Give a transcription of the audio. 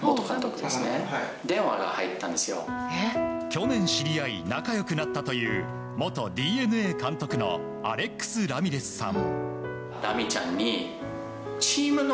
去年、知り合い仲良くなったという元ＤｅＮＡ監督のアレックス・ラミレスさん。